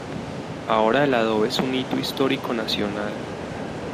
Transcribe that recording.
Ahora, el adobe es un Hito Histórico Nacional.